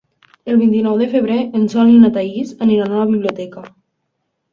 El vint-i-nou de febrer en Sol i na Thaís aniran a la biblioteca.